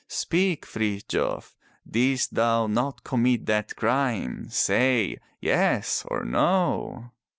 Speak, Frithjof. Didst thou not commit that crime? Say — yes or no?"